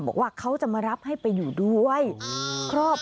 ก็เลยอยากให้หมอปลาเข้ามาช่วยหน่อยค่ะ